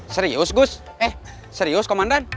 serius gus eh serius komandan